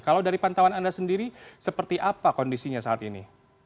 kalau dari pantauan anda sendiri seperti apa kondisinya saat ini